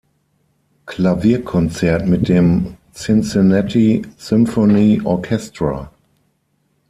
Klavierkonzert mit dem Cincinnati Symphony Orchestra.